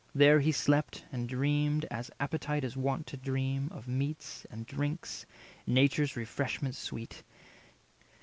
There he slept, And dreamed, as appetite is wont to dream, Of meats and drinks, nature's refreshment sweet.